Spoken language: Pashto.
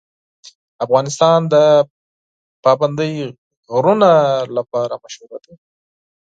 افغانستان د پابندی غرونه لپاره مشهور دی.